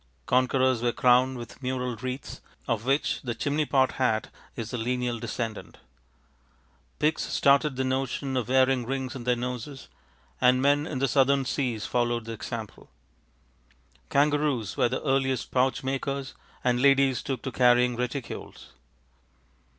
Conquerors were crowned with mural wreaths, of which the chimney pot hat is the lineal descendant; pigs started the notion of wearing rings in their noses, and man in the southern seas followed the example; kangaroos were the earliest pouch makers and ladies took to carrying reticules.